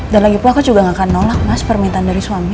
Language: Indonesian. dan lagipun aku juga enggak akan nolak mas permintaan dari suami